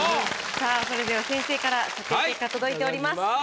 さあそれでは先生から査定結果届いております。